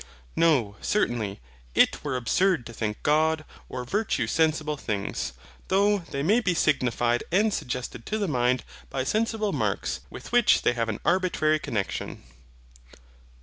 No, certainly: it were absurd to think GOD or VIRTUE sensible things; though they may be signified and suggested to the mind by sensible marks, with which they have an arbitrary connexion.